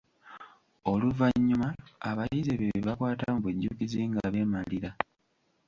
Oluvannyuma abayizi ebyo bye bakwata mu bujjukizi, nga beemalira.